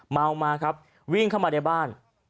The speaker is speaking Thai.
เมามาครับวิ่งเข้ามาในบ้าน